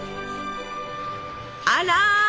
あら！